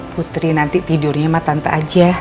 putri nanti tidurnya sama tante aja